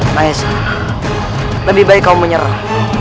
mas lebih baik kau menyerah